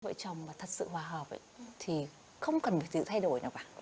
vợ chồng mà thật sự hòa hợp thì không cần sự thay đổi nào cả